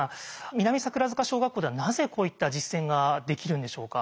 南桜塚小学校ではなぜこういった実践ができるんでしょうか？